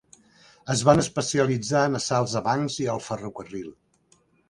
Es van especialitzar en assalts a bancs i al ferrocarril.